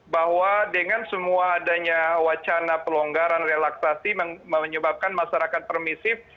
bahwa dengan semua adanya wacana pelonggaran relaksasi menyebabkan masyarakat permisif